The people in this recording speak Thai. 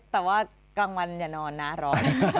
แต่ว่ากลางวันอย่านอนนะร้อน